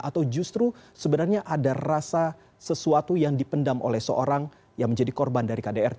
atau justru sebenarnya ada rasa sesuatu yang dipendam oleh seorang yang menjadi korban dari kdrt